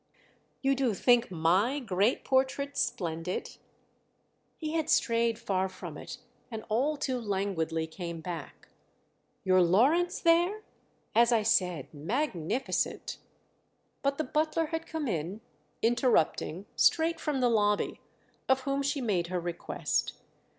"You do think my great portrait splendid?" He had strayed far from it and all too languidly came back. "Your Lawrence there? As I said, magnificent." But the butler had come in, interrupting, straight from the lobby; of whom she made her request.